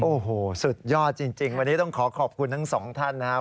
โอ้โหสุดยอดจริงวันนี้ต้องขอขอบคุณทั้งสองท่านนะครับ